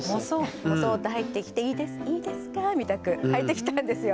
もそっと入ってきて「いいですいいですか？」みたく入ってきたんですよ。